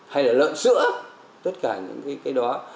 hay là lợn sữa tất cả những cái đó